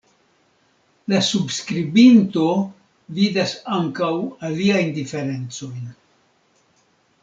La subskribinto vidas ankaŭ aliajn diferencojn.